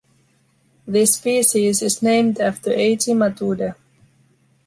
This species is named after Eizi Matuda.